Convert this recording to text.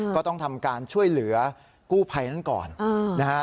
ก็ต้องทำการช่วยเหลือกู้ภัยนั้นก่อนนะฮะ